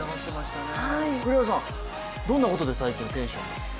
栗原さん、どんなことで最近テンション上がりましたか？